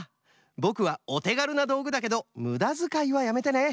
ぼくはおてがるなどうぐだけどむだづかいはやめてね！